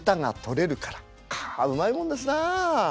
あうまいもんですなあ。